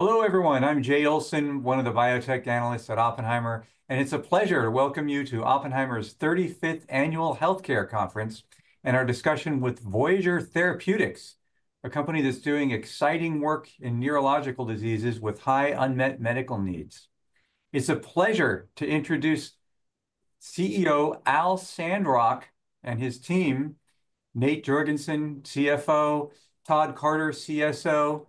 Hello, everyone. I'm Jay Olson, one of the biotech analysts at Oppenheimer, and it's a pleasure to welcome you to Oppenheimer's 35th Annual Healthcare Conference and our discussion with Voyager Therapeutics, a company that's doing exciting work in neurological diseases with high unmet medical needs. It's a pleasure to introduce CEO Al Sandrock and his team, Nate Jorgensen, CFO, Todd Carter, CSO,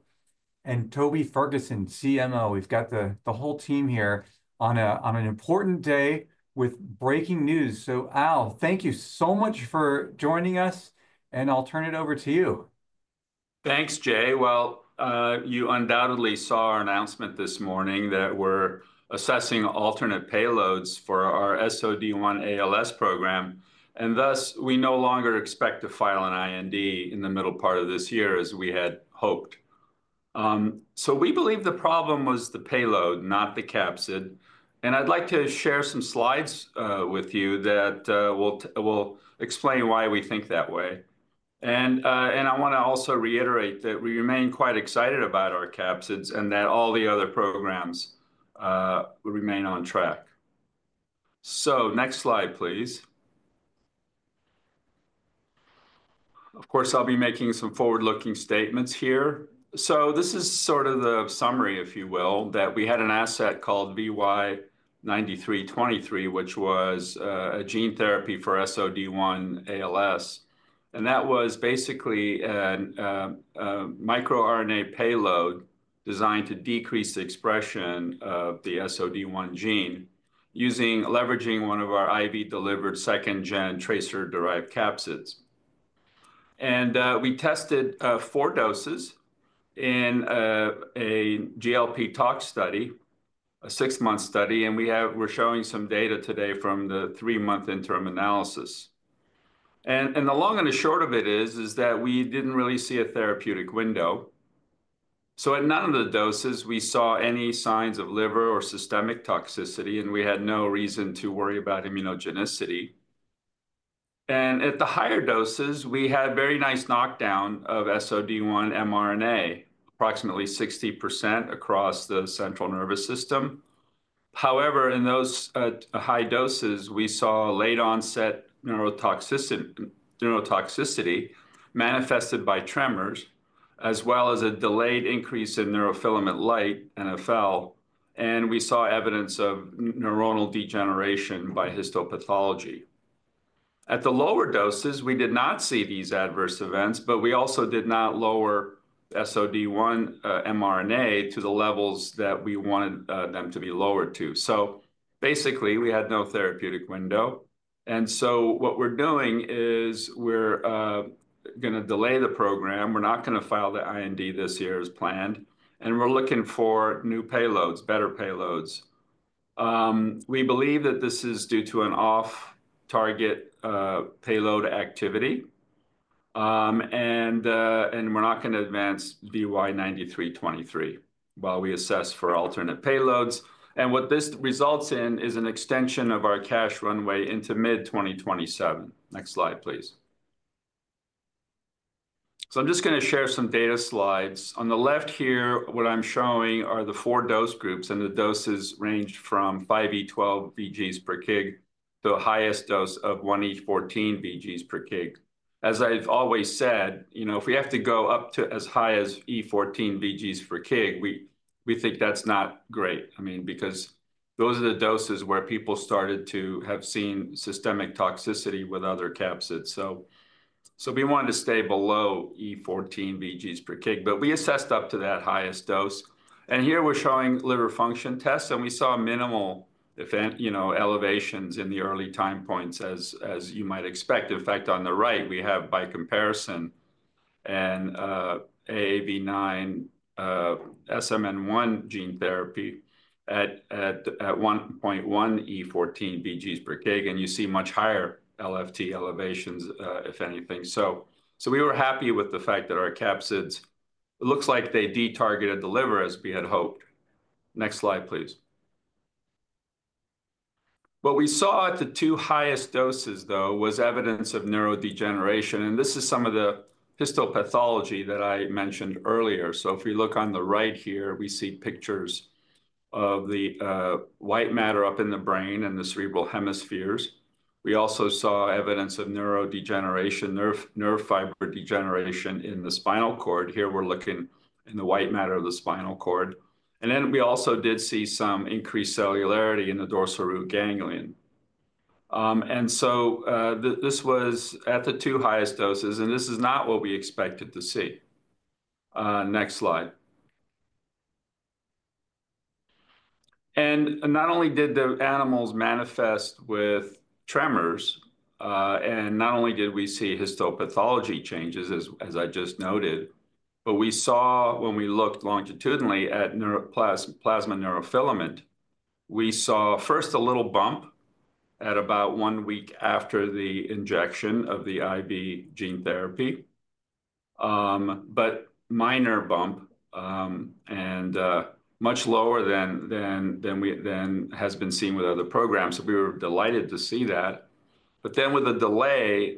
and Toby Ferguson, CMO. We've got the whole team here on an important day with breaking news. Al, thank you so much for joining us, and I'll turn it over to you. Thanks, Jay. You undoubtedly saw our announcement this morning that we're assessing alternate payloads for our SOD1 ALS program, and thus we no longer expect to file an IND in the middle part of this year, as we had hoped. We believe the problem was the payload, not the capsid. I'd like to share some slides with you that will explain why we think that way. I want to also reiterate that we remain quite excited about our capsids and that all the other programs remain on track. Next slide, please. Of course, I'll be making some forward-looking statements here. This is sort of the summary, if you will, that we had an asset called VY9323, which was a gene therapy for SOD1 ALS. That was basically a miRNA payload designed to decrease the expression of the SOD1 gene leveraging one of our IV-delivered second-gen TRACER-derived capsids. We tested four doses in a GLP tox study, a six-month study, and we're showing some data today from the three-month interim analysis. The long and the short of it is that we didn't really see a therapeutic window. At none of the doses did we see any signs of liver or systemic toxicity, and we had no reason to worry about immunogenicity. At the higher doses, we had a very nice knockdown of SOD1 mRNA, approximately 60% across the central nervous system. However, in those high doses, we saw late-onset neurotoxicity manifested by tremors, as well as a delayed increase in neurofilament light, NfL, and we saw evidence of neuronal degeneration by histopathology. At the lower doses, we did not see these adverse events, but we also did not lower SOD1 mRNA to the levels that we wanted them to be lowered to. Basically, we had no therapeutic window. What we are doing is we are going to delay the program. We are not going to file the IND this year as planned, and we are looking for new payloads, better payloads. We believe that this is due to an off-target payload activity, and we are not going to advance VY9323 while we assess for alternate payloads. What this results in is an extension of our cash runway into mid-2027. Next slide, please. I am just going to share some data slides. On the left here, what I am showing are the four dose groups, and the doses range from 5E12 vg/kg to the highest dose of 1E14 vg/kg. As I've always said, you know, if we have to go up to as high as E14 vg/kg, we think that's not great. I mean, because those are the doses where people started to have seen systemic toxicity with other capsids. We wanted to stay below E14 vg/kg, but we assessed up to that highest dose. Here we're showing liver function tests, and we saw minimal elevations in the early time points, as you might expect. In fact, on the right, we have, by comparison, an AAV9 SMN1 gene therapy at 1.1 E14 vg/kg, and you see much higher LFT elevations, if anything. We were happy with the fact that our capsids, it looks like they de-targeted the liver as we had hoped. Next slide, please. What we saw at the two highest doses, though, was evidence of neurodegeneration, and this is some of the histopathology that I mentioned earlier. If we look on the right here, we see pictures of the white matter up in the brain and the cerebral hemispheres. We also saw evidence of neurodegeneration, nerve fiber degeneration in the spinal cord. Here we're looking in the white matter of the spinal cord. We also did see some increased cellularity in the dorsal root ganglion. This was at the two highest doses, and this is not what we expected to see. Next slide. Not only did the animals manifest with tremors, and not only did we see histopathology changes, as I just noted, but we saw, when we looked longitudinally at plasma neurofilament, we saw first a little bump at about one week after the injection of the IV gene therapy, a minor bump and much lower than has been seen with other programs. We were delighted to see that. With a delay,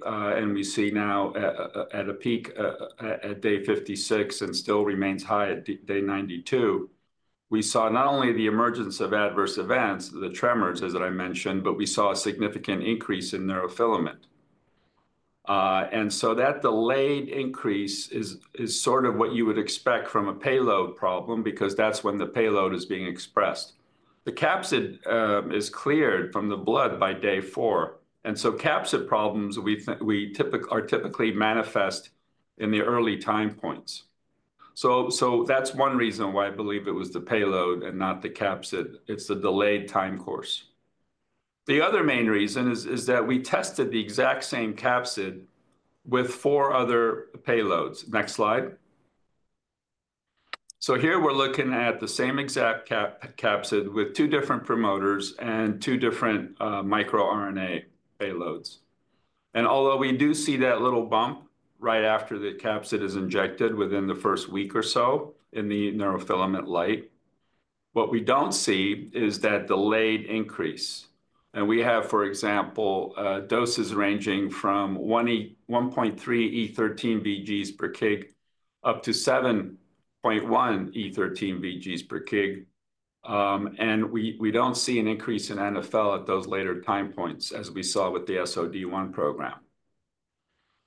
we see now a peak at day 56 and it still remains high at day 92. We saw not only the emergence of adverse events, the tremors, as I mentioned, but we saw a significant increase in neurofilament. That delayed increase is sort of what you would expect from a payload problem because that's when the payload is being expressed. The capsid is cleared from the blood by day four. Capsid problems are typically manifest in the early time points. That is one reason why I believe it was the payload and not the capsid. It is the delayed time course. The other main reason is that we tested the exact same capsid with four other payloads. Next slide. Here we are looking at the same exact capsid with two different promoters and two different miRNA payloads. Although we do see that little bump right after the capsid is injected within the first week or so in the neurofilament light, what we do not see is that delayed increase. We have, for example, doses ranging from 1.3 E13 vg/kg up to 7.1 E13 vg/kg. We do not see an increase in NFL at those later time points as we saw with the SOD1 program.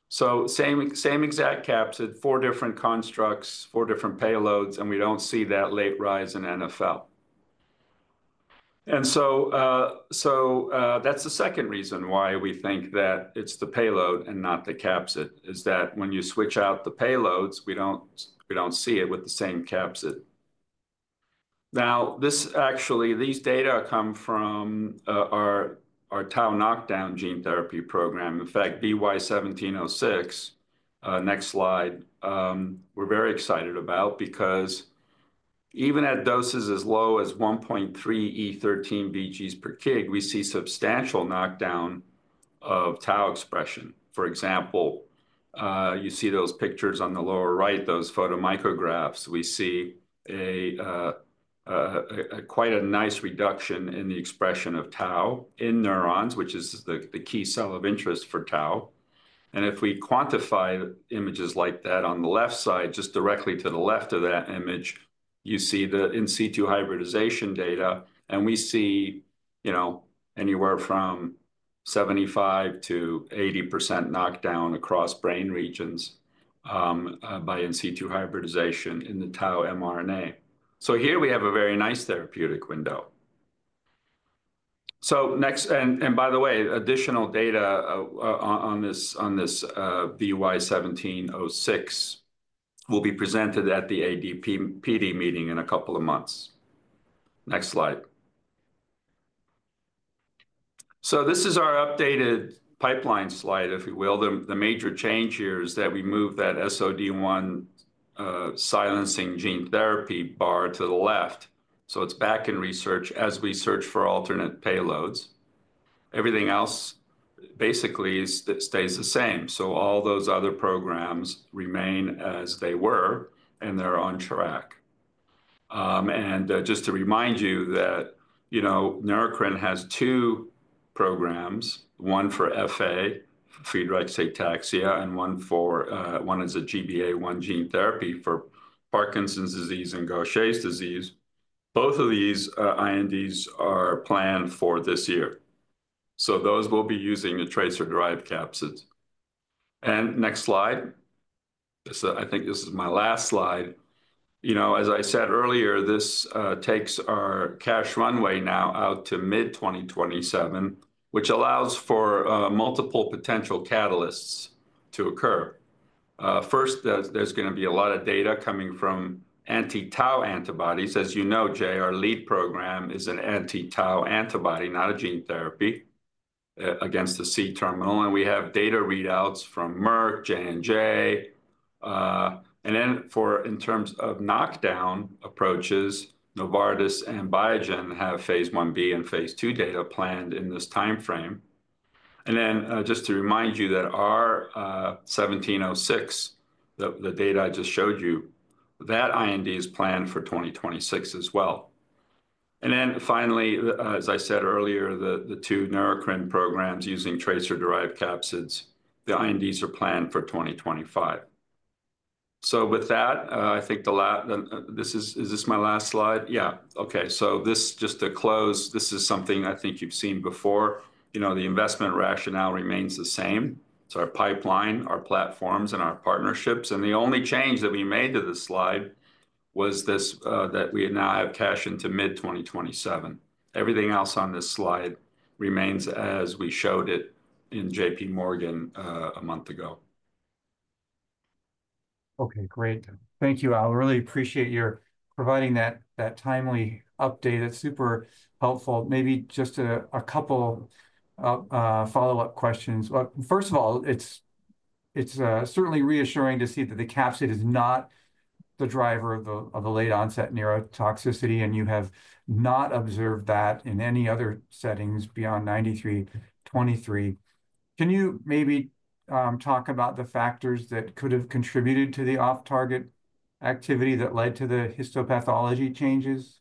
Same exact capsid, four different constructs, four different payloads, and we don't see that late rise in NFL. That is the second reason why we think that it's the payload and not the capsid, is that when you switch out the payloads, we don't see it with the same capsid. Actually, these data come from our tau knockdown gene therapy program. In fact, VY1706, next slide, we're very excited about because even at doses as low as 1.3 E13 vg/kg, we see substantial knockdown of tau expression. For example, you see those pictures on the lower right, those photomicrographs, we see quite a nice reduction in the expression of tau in neurons, which is the key cell of interest for tau. If we quantify images like that on the left side, just directly to the left of that image, you see the in situ hybridization data, and we see anywhere from 75%-80% knockdown across brain regions by in situ hybridization in the tau mRNA. Here we have a very nice therapeutic window. By the way, additional data on this VY1706 will be presented at the AD/PD meeting in a couple of months. Next slide. This is our updated pipeline slide, if you will. The major change here is that we moved that SOD1 silencing gene therapy bar to the left. It is back in research as we search for alternate payloads. Everything else basically stays the same. All those other programs remain as they were, and they're on track. Just to remind you that Neurocrine has two programs, one for FA, Friedreich's ataxia, and one is a GBA1 gene therapy for Parkinson's disease and Gaucher's disease. Both of these INDs are planned for this year. Those will be using the TRACER-derived capsids. Next slide. I think this is my last slide. As I said earlier, this takes our cash runway now out to mid-2027, which allows for multiple potential catalysts to occur. First, there's going to be a lot of data coming from anti-tau antibodies. As you know, Jay, our lead program is an anti-tau antibody, not a gene therapy against the C terminal. We have data readouts from Merck, Johnson & Johnson. In terms of knockdown approaches, Novartis and Biogen have phase 1b and phase 2 data planned in this time frame. Just to remind you that our 1706, the data I just showed you, that IND is planned for 2026 as well. Finally, as I said earlier, the two Neurocrine programs using TRACER-derived capsids, the INDs are planned for 2025. I think this is my last slide. Yeah. Okay. Just to close, this is something I think you've seen before. The investment rationale remains the same. It's our pipeline, our platforms, and our partnerships. The only change that we made to this slide was that we now have cash into mid-2027. Everything else on this slide remains as we showed it in J.P. Morgan a month ago. Okay. Great. Thank you. I really appreciate your providing that timely update. That's super helpful. Maybe just a couple of follow-up questions. First of all, it's certainly reassuring to see that the capsid is not the driver of the late-onset neurotoxicity, and you have not observed that in any other settings beyond 9323. Can you maybe talk about the factors that could have contributed to the off-target activity that led to the histopathology changes?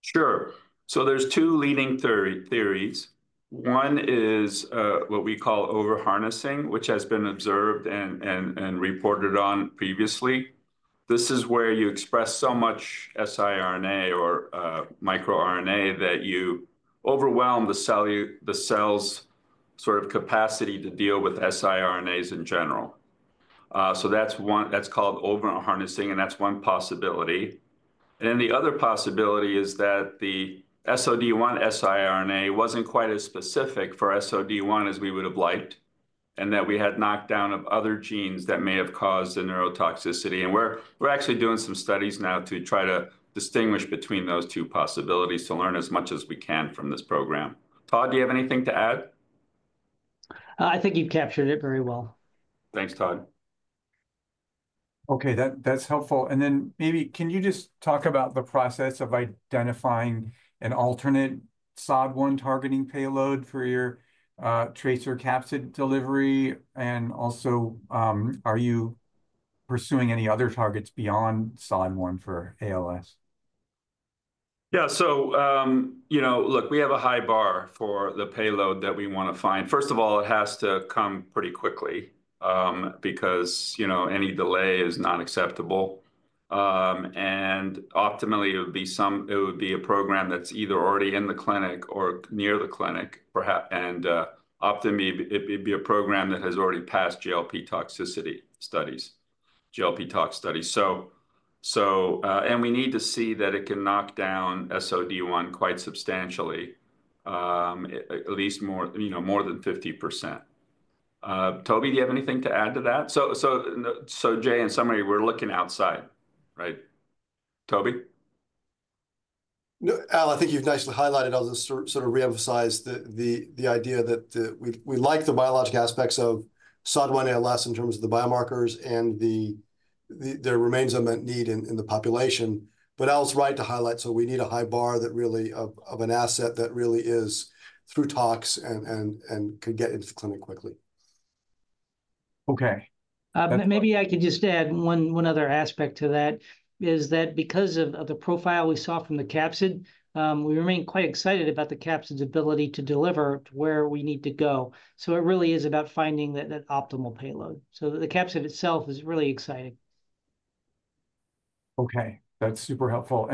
Sure. There are two leading theories. One is what we call over-harnessing, which has been observed and reported on previously. This is where you express so much siRNA or miRNA that you overwhelm the cell's sort of capacity to deal with siRNAs in general. That is called over-harnessing, and that is one possibility. The other possibility is that the SOD1 siRNA was not quite as specific for SOD1 as we would have liked, and that we had knockdown of other genes that may have caused the neurotoxicity. We are actually doing some studies now to try to distinguish between those two possibilities to learn as much as we can from this program. Todd, do you have anything to add? I think you've captured it very well. Thanks, Todd. Okay. That's helpful. Maybe can you just talk about the process of identifying an alternate SOD1 targeting payload for your TRACER capsid delivery? Also, are you pursuing any other targets beyond SOD1 for ALS? Yeah. Look, we have a high bar for the payload that we want to find. First of all, it has to come pretty quickly because any delay is not acceptable. Optimally, it would be a program that's either already in the clinic or near the clinic. Optimally, it would be a program that has already passed GLP tox studies. We need to see that it can knock down SOD1 quite substantially, at least more than 50%. Toby, do you have anything to add to that? Jay, in summary, we're looking outside, right? Toby? Al, I think you've nicely highlighted, I'll just sort of reemphasize the idea that we like the biologic aspects of SOD1 ALS in terms of the biomarkers and there remains a need in the population. Al's right to highlight, we need a high bar of an asset that really is through tox and could get into the clinic quickly. Okay. Maybe I could just add one other aspect to that is that because of the profile we saw from the capsid, we remain quite excited about the capsid's ability to deliver to where we need to go. It really is about finding that optimal payload. The capsid itself is really exciting. Okay. That's super helpful.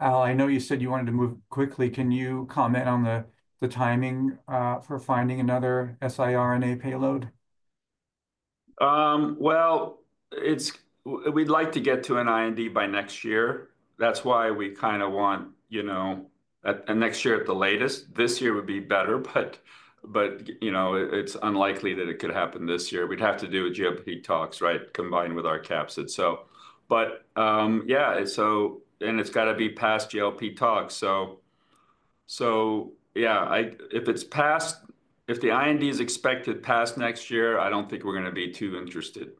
Al, I know you said you wanted to move quickly. Can you comment on the timing for finding another siRNA payload? We'd like to get to an IND by next year. That's why we kind of want next year at the latest. This year would be better, but it's unlikely that it could happen this year. We'd have to do a GLP tox, right, combined with our capsid. Yeah, and it's got to be past GLP tox. If the IND is expected past next year, I don't think we're going to be too interested.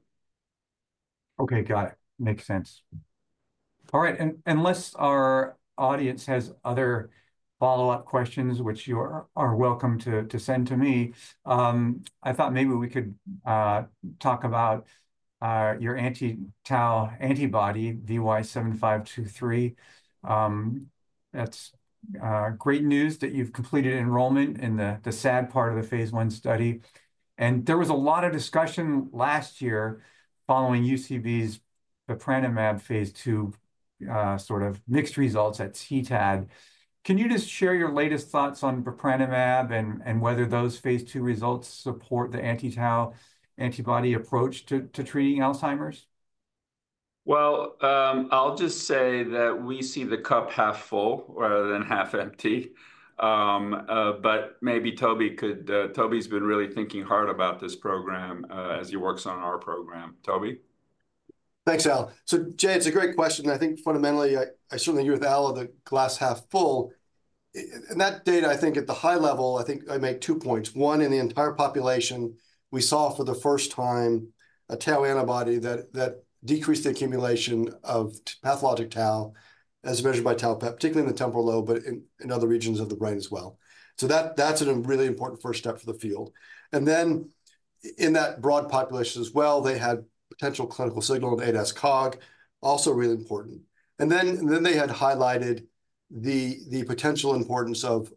Okay. Got it. Makes sense. All right. Unless our audience has other follow-up questions, which you are welcome to send to me, I thought maybe we could talk about your anti-tau antibody, VY7523. That's great news that you've completed enrollment in the SAD part of the phase one study. There was a lot of discussion last year following UCB's bepranemab phase two sort of mixed results at CTAD. Can you just share your latest thoughts on bepranemab and whether those phase two results support the anti-tau antibody approach to treating Alzheimer's? I will just say that we see the cup half full rather than half empty. Maybe Toby could. Toby's been really thinking hard about this program as he works on our program. Toby? Thanks, Al. Jay, it's a great question. I think fundamentally, I certainly agree with Al on the glass half full. That data, I think at the high level, I make two points. One, in the entire population, we saw for the first time a tau antibody that decreased the accumulation of pathologic tau as measured by tau PET, particularly in the temporal lobe, but in other regions of the brain as well. That's a really important first step for the field. In that broad population as well, they had potential clinical signal of ADAS-Cog, also really important. They highlighted the potential importance of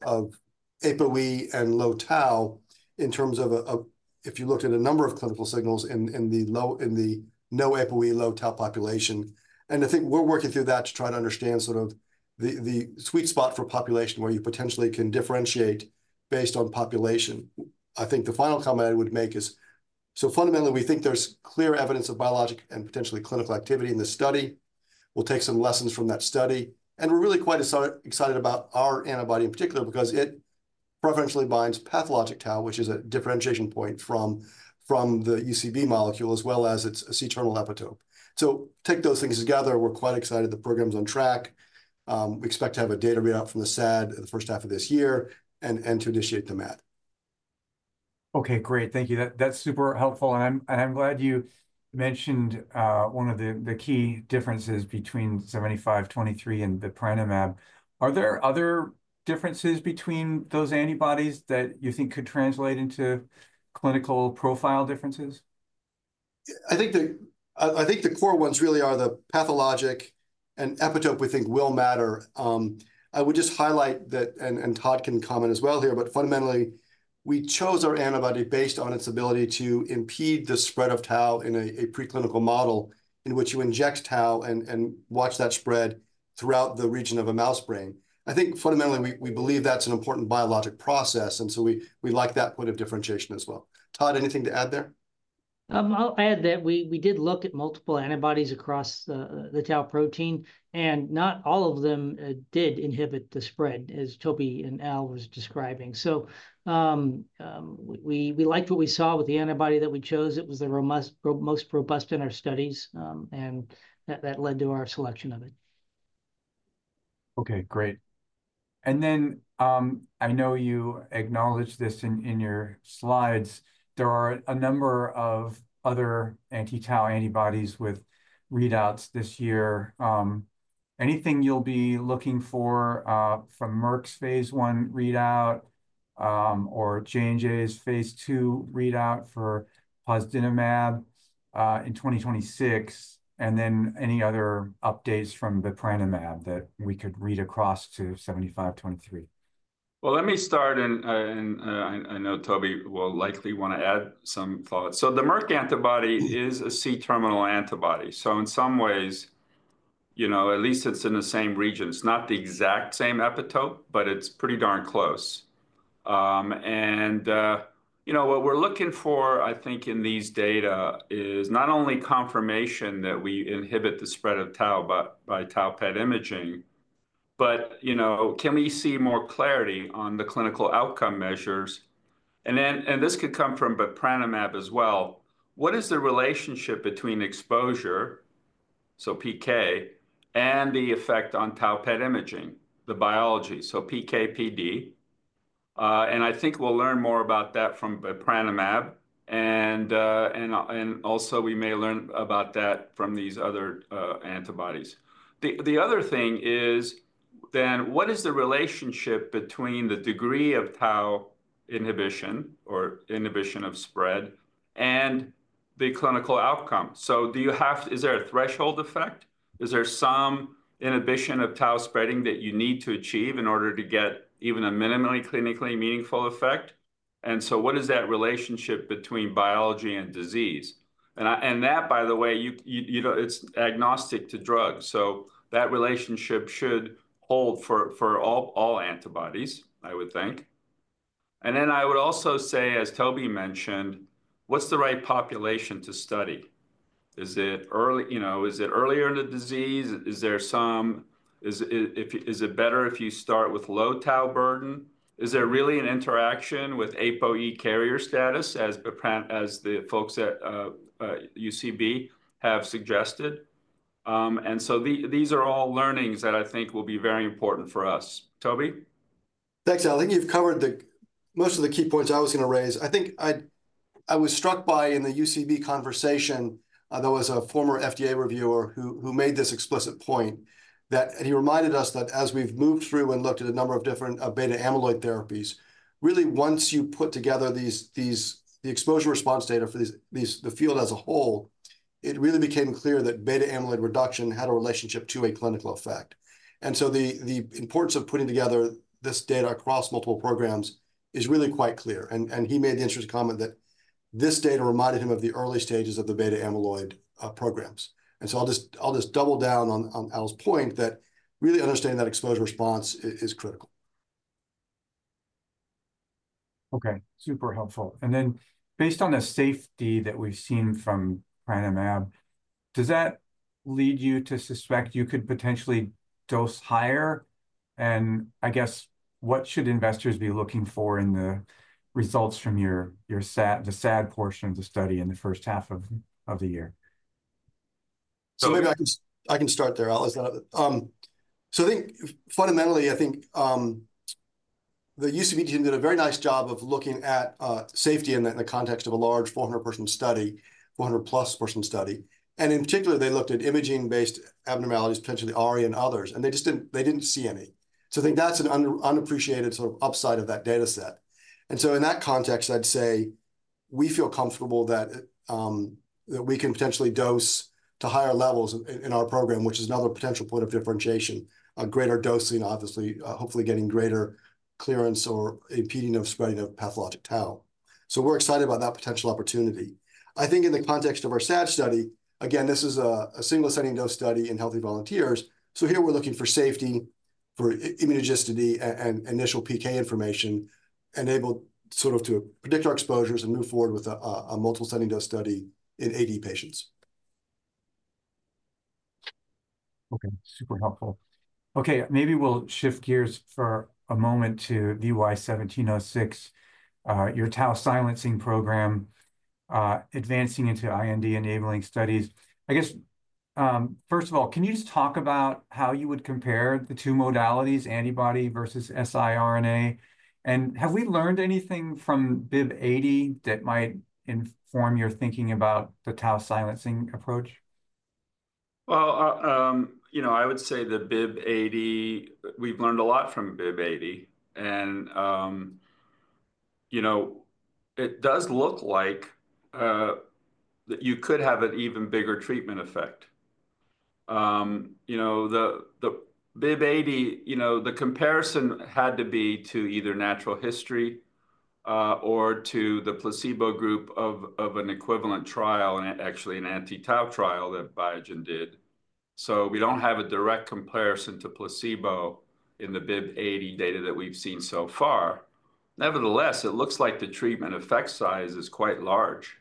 APOE and low tau in terms of if you looked at a number of clinical signals in the no APOE, low tau population. I think we're working through that to try to understand sort of the sweet spot for population where you potentially can differentiate based on population. I think the final comment I would make is, fundamentally, we think there's clear evidence of biologic and potentially clinical activity in this study. We'll take some lessons from that study. We're really quite excited about our antibody in particular because it preferentially binds pathologic Tau, which is a differentiation point from the UCB molecule as well as its C-terminal epitope. Take those things together. We're quite excited. The program's on track. We expect to have a data readout from the SAD the first half of this year and to initiate the MAD. Okay. Great. Thank you. That's super helpful. I'm glad you mentioned one of the key differences between 7523 and bepranemab. Are there other differences between those antibodies that you think could translate into clinical profile differences? I think the core ones really are the pathologic and epitope we think will matter. I would just highlight that, and Todd can comment as well here, but fundamentally, we chose our antibody based on its ability to impede the spread of tau in a preclinical model in which you inject tau and watch that spread throughout the region of a mouse brain. I think fundamentally, we believe that's an important biologic process. We like that point of differentiation as well. Todd, anything to add there? I'll add that we did look at multiple antibodies across the tau protein, and not all of them did inhibit the spread, as Toby and Al were describing. We liked what we saw with the antibody that we chose. It was the most robust in our studies, and that led to our selection of it. Okay. Great. I know you acknowledged this in your slides. There are a number of other anti-tau antibodies with readouts this year. Anything you'll be looking for from Merck's phase one readout or J&J's phase two readout for posdinemab in 2026? Any other updates from bepranemab that we could read across to 7523? Let me start, and I know Toby will likely want to add some thoughts. The Merck antibody is a C-terminal antibody. In some ways, at least it's in the same region. It's not the exact same epitope, but it's pretty darn close. What we're looking for, I think, in these data is not only confirmation that we inhibit the spread of Tau by Tau PET imaging, but can we see more clarity on the clinical outcome measures? This could come from bepranemab as well. What is the relationship between exposure, so PK, and the effect on Tau PET imaging, the biology? So PK, PD. I think we'll learn more about that from bepranemab. Also, we may learn about that from these other antibodies. The other thing is then what is the relationship between the degree of Tau inhibition or inhibition of spread and the clinical outcome? Is there a threshold effect? Is there some inhibition of Tau spreading that you need to achieve in order to get even a minimally clinically meaningful effect? What is that relationship between biology and disease? That, by the way, is agnostic to drugs. That relationship should hold for all antibodies, I would think. I would also say, as Toby mentioned, what's the right population to study? Is it earlier in the disease? Is it better if you start with low Tau burden? Is there really an interaction with APOE carrier status as the folks at UCB have suggested? These are all learnings that I think will be very important for us. Toby? Thanks, Al. I think you've covered most of the key points I was going to raise. I think I was struck by in the UCB conversation, there was a former FDA reviewer who made this explicit point that he reminded us that as we've moved through and looked at a number of different beta amyloid therapies, really once you put together the exposure response data for the field as a whole, it really became clear that beta amyloid reduction had a relationship to a clinical effect. The importance of putting together this data across multiple programs is really quite clear. He made the interesting comment that this data reminded him of the early stages of the beta amyloid programs. I'll just double down on Al's point that really understanding that exposure response is critical. Okay. Super helpful. Based on the safety that we've seen from bepranemab, does that lead you to suspect you could potentially dose higher? I guess, what should investors be looking for in the results from the SAD portion of the study in the first half of the year? Maybe I can start there, Al. I think fundamentally, I think the UCB team did a very nice job of looking at safety in the context of a large 400-plus person study. In particular, they looked at imaging-based abnormalities, potentially ARIA and others. They did not see any. I think that is an unappreciated sort of upside of that data set. In that context, I would say we feel comfortable that we can potentially dose to higher levels in our program, which is another potential point of differentiation, a greater dosing, obviously, hopefully getting greater clearance or impeding of spreading of pathologic Tau. We are excited about that potential opportunity. I think in the context of our SAD study, again, this is a single setting dose study in healthy volunteers. Here we're looking for safety, for immunogenicity, and initial PK information enabled sort of to predict our exposures and move forward with a multiple ascending dose study in AD patients. Okay. Super helpful. Okay. Maybe we'll shift gears for a moment to VY1706, your tau silencing program, advancing into IND enabling studies. I guess, first of all, can you just talk about how you would compare the two modalities, antibody versus siRNA? And have we learned anything from BIIB080 that might inform your thinking about the tau silencing approach? I would say the BIIB080, we've learned a lot from BIIB080. It does look like you could have an even bigger treatment effect. The BIIB080, the comparison had to be to either natural history or to the placebo group of an equivalent trial, and actually an anti-tau trial that Biogen did. We do not have a direct comparison to placebo in the BIIB080 data that we've seen so far. Nevertheless, it looks like the treatment effect size is quite large.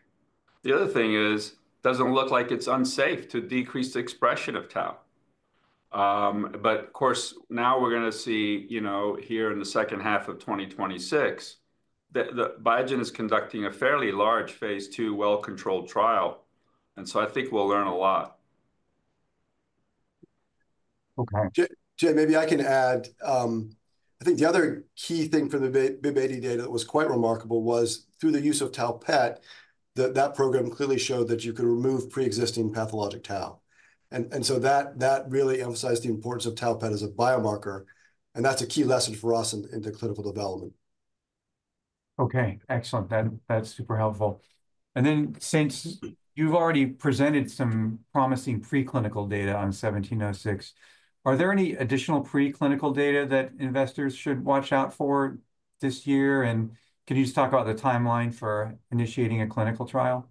The other thing is, it does not look like it's unsafe to decrease the expression of tau. Of course, now we're going to see here in the second half of 2026 that Biogen is conducting a fairly large phase two well-controlled trial. I think we'll learn a lot. Okay. Jay, maybe I can add. I think the other key thing for the BIIB080 data that was quite remarkable was through the use of Tau PET, that program clearly showed that you could remove pre-existing pathologic tau. That really emphasized the importance of Tau PET as a biomarker. That is a key lesson for us into clinical development. Okay. Excellent. That is super helpful. Since you have already presented some promising preclinical data on 1706, are there any additional preclinical data that investors should watch out for this year? Can you just talk about the timeline for initiating a clinical trial?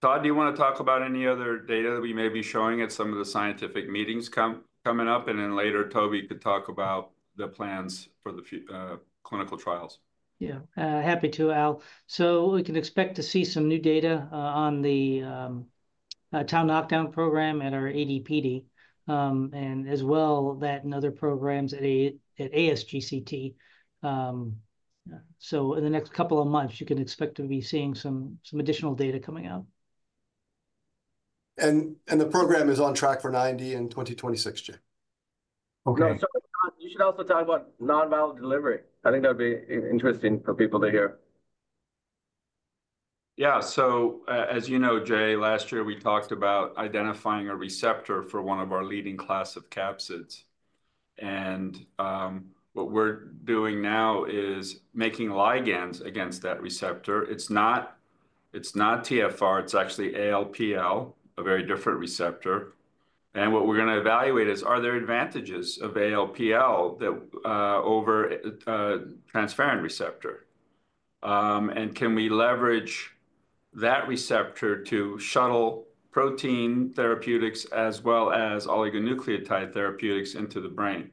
Todd, do you want to talk about any other data that we may be showing at some of the scientific meetings coming up? Later, Toby could talk about the plans for the clinical trials. Yeah. Happy to, Al. We can expect to see some new data on the tau knockdown program at our AD/PD, as well as in other programs at ASGCT. In the next couple of months, you can expect to be seeing some additional data coming out. The program is on track for 90 in 2026, Jay. Okay. You should also talk about non-viral delivery. I think that would be interesting for people to hear. Yeah. As you know, Jay, last year, we talked about identifying a receptor for one of our leading class of capsids. What we're doing now is making ligands against that receptor. It's not TfR. It's actually ALPL, a very different receptor. What we're going to evaluate is, are there advantages of ALPL over a transferrin receptor? Can we leverage that receptor to shuttle protein therapeutics as well as oligonucleotide therapeutics into the brain?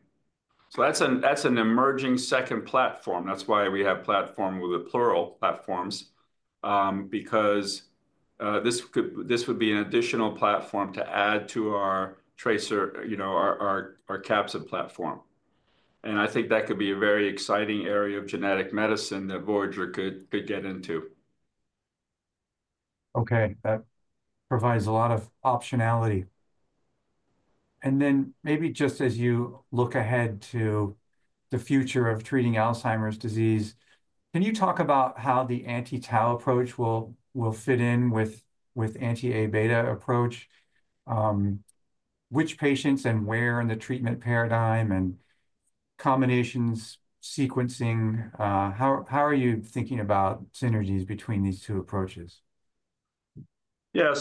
That's an emerging second platform. That's why we have platform with the plural platforms, because this would be an additional platform to add to our capsid platform. I think that could be a very exciting area of genetic medicine that Voyager could get into. Okay. That provides a lot of optionality. Maybe just as you look ahead to the future of treating Alzheimer's disease, can you talk about how the anti-tau approach will fit in with anti-A beta approach? Which patients and where in the treatment paradigm and combinations sequencing? How are you thinking about synergies between these two approaches? Yeah. It is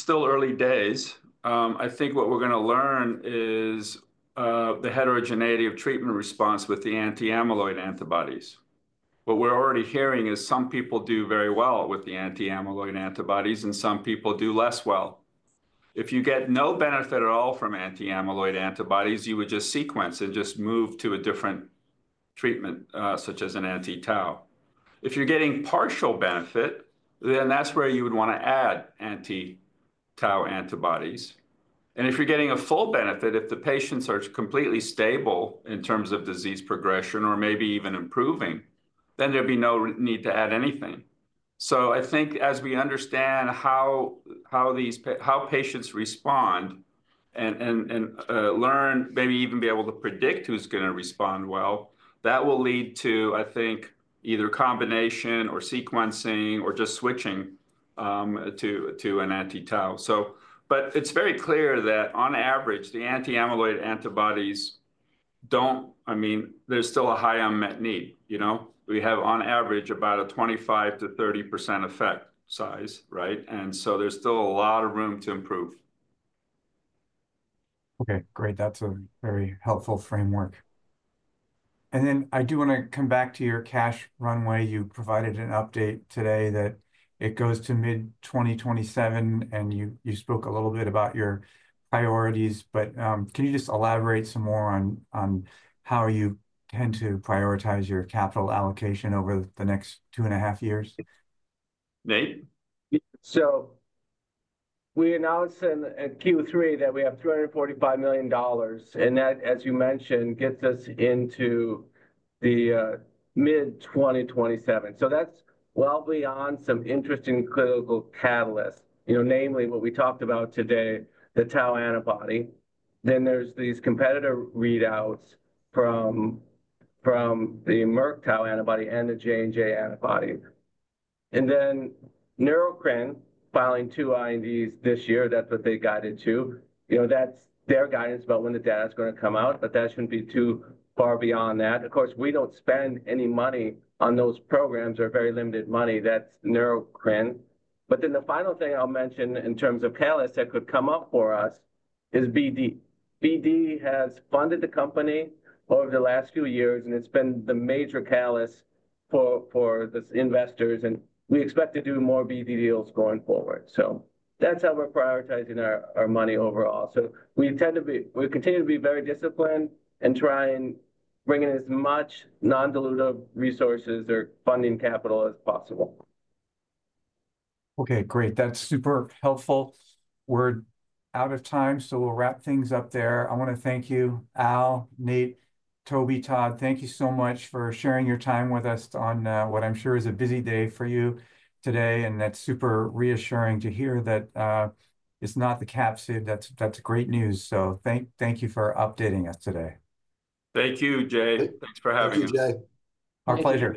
still early days. I think what we are going to learn is the heterogeneity of treatment response with the anti-amyloid antibodies. What we are already hearing is some people do very well with the anti-amyloid antibodies, and some people do less well. If you get no benefit at all from anti-amyloid antibodies, you would just sequence and just move to a different treatment, such as an anti-Tau. If you are getting partial benefit, that is where you would want to add anti-Tau antibodies. If you are getting a full benefit, if the patients are completely stable in terms of disease progression or maybe even improving, there would be no need to add anything. I think as we understand how patients respond and learn, maybe even be able to predict who's going to respond well, that will lead to, I think, either combination or sequencing or just switching to an anti-tau. It is very clear that on average, the anti-amyloid antibodies do not—I mean, there's still a high unmet need. We have on average about a 25%-30% effect size, right? There is still a lot of room to improve. Okay. Great. That's a very helpful framework. I do want to come back to your cash runway. You provided an update today that it goes to mid-2027, and you spoke a little bit about your priorities. Can you just elaborate some more on how you tend to prioritize your capital allocation over the next two and a half years? Nate? We announced in Q3 that we have $345 million. That, as you mentioned, gets us into the mid-2027. That is well beyond some interesting clinical catalysts, namely what we talked about today, the tau antibody. There are these competitor readouts from the Merck tau antibody and the J&J antibody. Neurocrine, filing two INDs this year, is what they guided to. That is their guidance about when the data is going to come out, but that should not be too far beyond that. Of course, we do not spend any money on those programs. There is very limited money. That is Neurocrine. The final thing I will mention in terms of catalysts that could come up for us is BD. BD has funded the company over the last few years, and it has been the major catalyst for the investors. We expect to do more BD deals going forward. That is how we are prioritizing our money overall. We continue to be very disciplined and try and bring in as much non-dilutive resources or funding capital as possible. Okay. Great. That's super helpful. We're out of time, so we'll wrap things up there. I want to thank you, Al, Nate, Toby, Todd. Thank you so much for sharing your time with us on what I'm sure is a busy day for you today. That's super reassuring to hear that it's not the capsid. That's great news. Thank you for updating us today. Thank you, Jay. Thanks for having us. Thank you, Jay. Our pleasure.